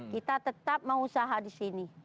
kita tetap mengusaha di sini